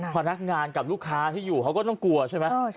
พนักงานกับลูกค้าที่อยู่เขาก็ต้องกลัวใช่ไหม